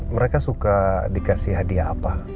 mereka suka dikasih hadiah apa